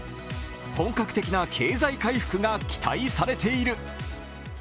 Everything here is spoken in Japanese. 本格的な経済回復が期待されている。